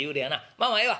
まあまあええわ。